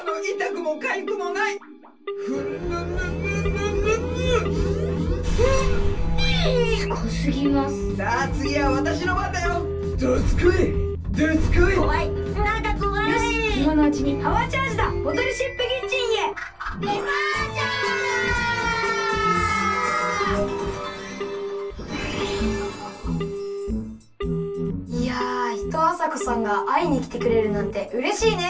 いやいとうあさこさんがあいにきてくれるなんてうれしいね！